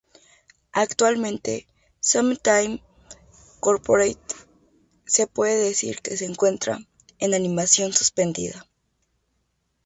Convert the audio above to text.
Actualmente, Something Corporate se puede decir que se encuentra en ‘animación suspendida’.